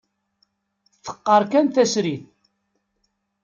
Teqqar kan tasrit.